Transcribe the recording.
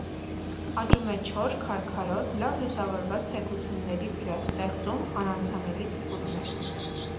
Աճում է չոր, քարքարոտ, լավ լուսավորված թեքությունների վրա, ստեղծում անանցանելի թփուտներ։